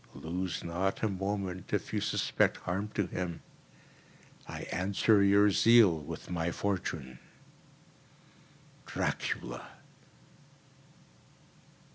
Lose not a moment if you suspect harm to him. I answer your zeal with my fortune.—Dracula.